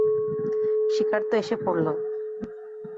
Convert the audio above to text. শিকার তো এসে পড়ল।